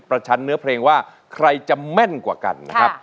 ประชันเนื้อเพลงว่าใครจะแม่นกว่ากัน